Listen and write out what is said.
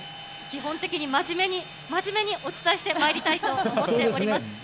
基本的に真面目に、真面目にお伝えしてまいりたいと思っております。